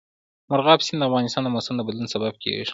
مورغاب سیند د افغانستان د موسم د بدلون سبب کېږي.